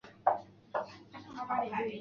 曾任护军校。